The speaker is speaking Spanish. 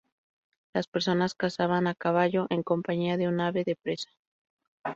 Las personas cazaban a caballo, en compañía de un ave de presa.